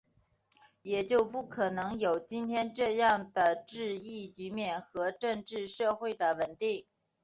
也就不可能有今天这样的治疫局面和政治社会的稳定